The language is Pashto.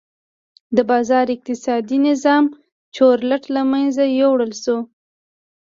د بازار اقتصادي نظام چورلټ له منځه یووړل شو.